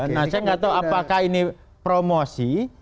nah saya nggak tahu apakah ini promosi